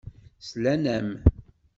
Slan-am.